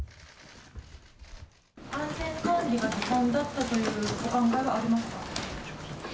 安全管理がずさんだったというお考えはありますか。